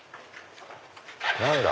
何だ？